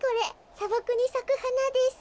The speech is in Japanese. さばくにさくはなです。